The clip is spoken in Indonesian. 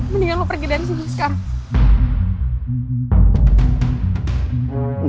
mendingan lo pergi dari situ sekarang